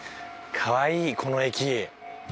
かわいいこの駅。